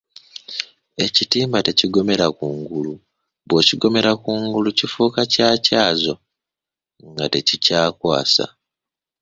Ekitimba tekigomera kungulu bw'okigomera kungulu kifuuka kya kyazo nga tekikwasa.